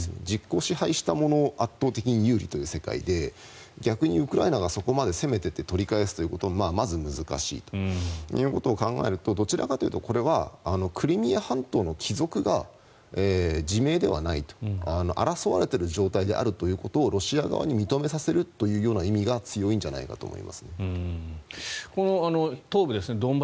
実効支配した者圧倒的に有利という世界で逆にウクライナがそこまで攻めていって取り返すということもまず難しいということを考えるとどちらかというとこれはクリミア半島の帰属が自明ではないと。争われている状態であるということをロシア側に認めさせるという意味が強いんじゃないかと